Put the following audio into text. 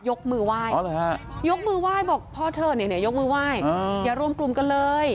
ยกมือไหว้ยกมือไหว้บอกพ่อเธอเนี่ยยกมือไหว้อย่ารวมกลุ่มกันเลย